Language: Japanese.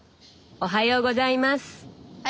おはようございます。